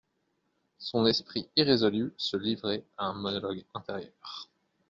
Son esprit irrésolu se livrait à un monologue intérieur.